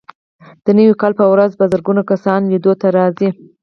د نوي کال په ورځ په زرګونه کسان لیدو ته راځي.